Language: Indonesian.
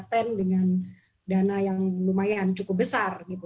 konten dengan dana yang lumayan cukup besar gitu